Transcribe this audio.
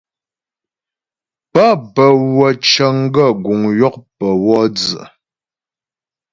Pə́ bə́ wə́ cəŋ gaə́ guŋ yɔkpə wɔ dzə.